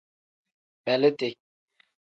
Beleeti.